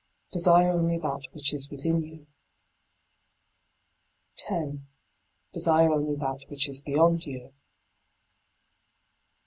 Desire only that which is within you. 10. Desire only that which is beyond you.